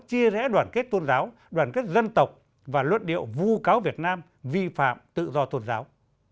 chia rẽ đoàn kết tôn giáo đoàn kết dân tộc và luận điệu vu cáo việt nam vi phạm tự do tôn giáo